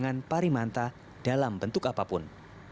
pangan parimanta dalam bentuk apapun